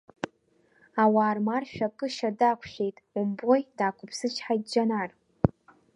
Ауаа рмаршәа кышьа дақәшәеит, умбои, даақәыԥсычҳаит Џьанар.